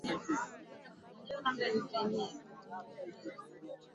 Ni vizuri sana kwa Serikali ya Mapinduzi ya Zanzibar